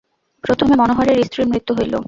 প্রথমে মনোহরের স্ত্রীর মৃত্যু হইল।